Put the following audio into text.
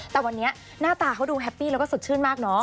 แต่วันนี้หน้าตาเขาดูแฮปปี้แล้วก็สดชื่นมากเนาะ